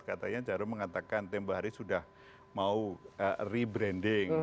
katanya jarum mengatakan temba hari sudah mau rebranding